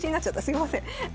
すいません。